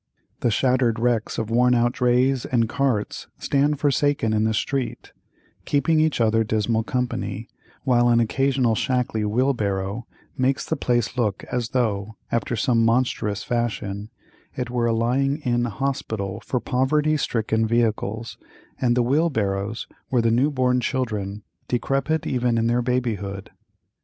The shattered wrecks of worn out drays and carts stand forsaken in the street, keeping each other dismal company, while an occasional shackly wheelbarrow makes the place look as though, after some monstrous fashion, it were a lying in hospital for poverty stricken vehicles, and the wheelbarrows were the new born children, decrepit even in their babyhood.